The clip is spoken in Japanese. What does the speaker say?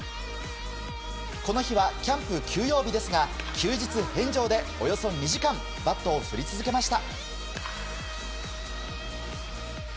この日はキャンプ休養日ですが休日返上でおよそ２時間バットを振り続けました。